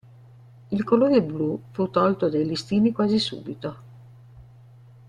Il colore blu fu tolto dai listini quasi subito.